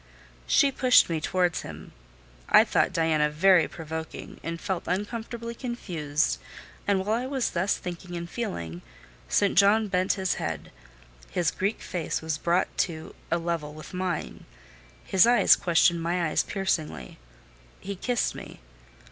She pushed me towards him. I thought Diana very provoking, and felt uncomfortably confused; and while I was thus thinking and feeling, St. John bent his head; his Greek face was brought to a level with mine, his eyes questioned my eyes piercingly—he kissed me.